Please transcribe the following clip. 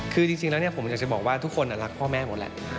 คือจริงแล้วผมอยากจะบอกว่าทุกคนรักพ่อแม่หมดแหละ